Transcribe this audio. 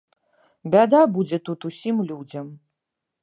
Бяда будзе тут усім людзям.